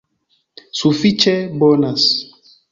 Sufiĉe bonas